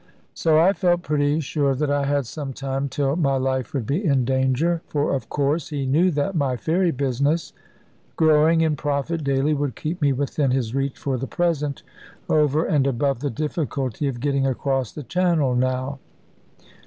So I felt pretty sure that I had some time till my life would be in danger. For, of course, he knew that my ferry business, growing in profit daily, would keep me within his reach for the present, over and above the difficulty of getting across the Channel now.